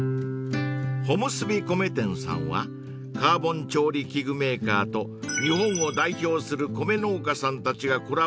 ［ほむすび米店さんはカーボン調理器具メーカーと日本を代表する米農家さんたちがコラボレーション］